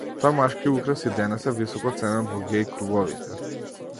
Тој машки украс и денес е високо ценет во геј круговите.